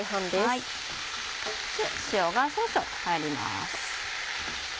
塩が少々入ります。